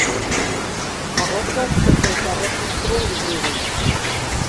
Arrazak ez dauka erregistro libururik.